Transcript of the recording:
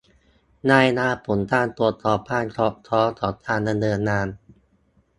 รายงานผลการตรวจสอบความสอดคล้องของการดำเนินงาน